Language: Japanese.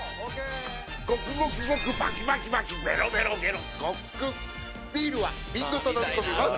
「ゴクゴクゴクバキバキバキベロベロベロゴックン」「ビールは瓶ごとのみ込みます」